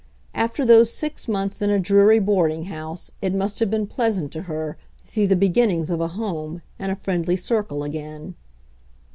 After those six months in a dreary boarding house it must have been pleasant to her to see the beginnings of a home and a friendly circle again.